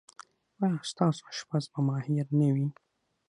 ایا ستاسو اشپز به ماهر نه وي؟